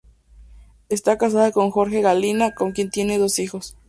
Está casada con Jorge Galina, con quien tiene dos hijos.